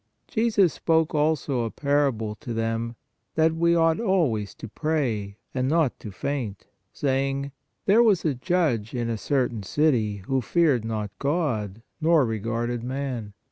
Jesus spoke also a parable to them, that we ought always to pray, and not to faint, saying: There was a judge in a certain city who feared not God, nor regarded man.